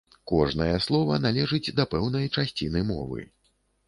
Кожнае слова належыць да пэўнай часціны мовы.